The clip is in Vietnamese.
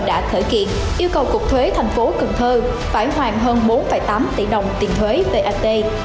đã thể kiện yêu cầu cục thuế tp cần thơ phải hoàn hơn bốn tám tỷ đồng tiền thuế vat